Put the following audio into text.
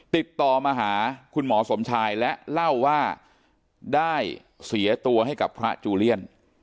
ติดต่อมาหาคุณหมอสมชายและเล่าว่าได้เสียตัวให้กับพระจูเลียน